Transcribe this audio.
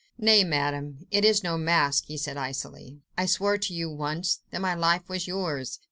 "Nay, Madame, it is no mask," he said icily; "I swore to you ... once, that my life was yours.